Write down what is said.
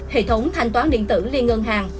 hệ thống thanh toán điện tử liên ngân hàng